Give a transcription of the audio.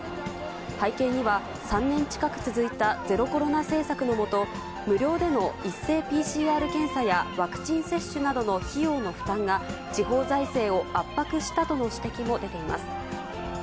背景には、３年近く続いたゼロコロナ政策の下、無料での一斉ＰＣＲ検査やワクチン接種などの費用の負担が、地方財政を圧迫したとの指摘も出ています。